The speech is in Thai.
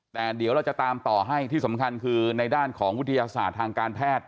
แต่เดี๋ยวเราจะตามต่อให้ที่สำคัญคือในด้านของวิทยาศาสตร์ทางการแพทย์